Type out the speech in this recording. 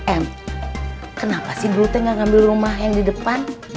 em kenapa sih dulu teh gak ngambil rumah yang di depan